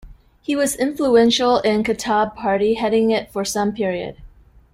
He was influential in Kataeb Party heading it for some period.